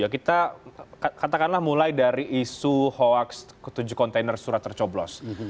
kita katakanlah mulai dari isu hoaks ketujuh kontainer surat tercoblos